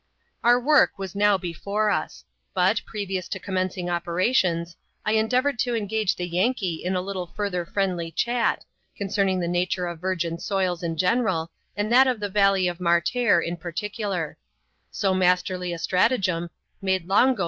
Our work was now before us ; but, previous to commencing operations, I endeavoured to engage the Yankee in a little further friendly chat, concerning the nature of virgin soils in general, and that of the valley of Martair m ^^xVvsv^^* %^ masterljr a stratagem made Long G\loaX\)I\^\.